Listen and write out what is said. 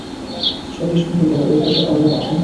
সতীশ কহিল, ও কিছু করবে না মাসি!